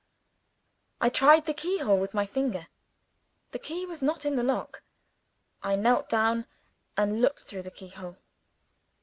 I tried the keyhole with my finger. The key was not in the lock. I knelt down, and looked through the keyhole.